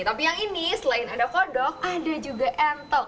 tapi yang ini selain ada kodok ada juga entok